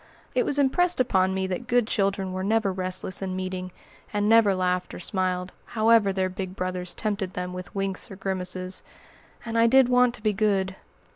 It was impressed upon me that good children were never restless in meeting, and never laughed or smiled, however their big brothers tempted them with winks or grimaces. And I did want to be good.